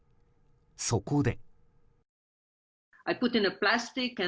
そこで。